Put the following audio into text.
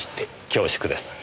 恐縮です。